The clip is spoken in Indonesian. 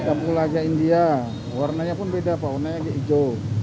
kapulaga india warnanya pun beda pak warnanya lagi hijau